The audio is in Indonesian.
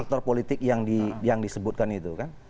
aktor politik yang disebutkan itu kan